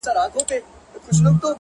مثبت فکر د ستونزو اغېز کموي